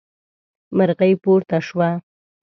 مرغۍ پورته شوه.